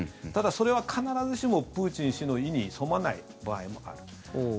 ただ、それは必ずしもプーチン氏の意に沿わない場合もある。